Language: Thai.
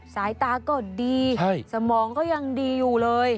สายตาก็ดีสมองก็ยังดีอยู่เลย